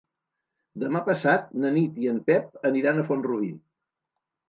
Demà passat na Nit i en Pep aniran a Font-rubí.